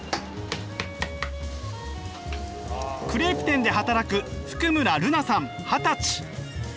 クレープ店で働く福村瑠菜さん二十歳。